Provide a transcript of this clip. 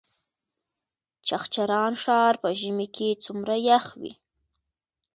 چغچران ښار په ژمي کې څومره یخ وي؟